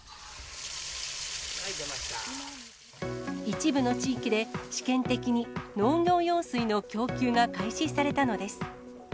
一部の地域で、試験的に、農業用水の供給が開始されたのです。